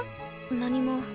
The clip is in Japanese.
何も。